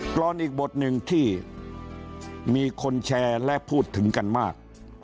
รอนอีกบทหนึ่งที่มีคนแชร์และพูดถึงกันมาก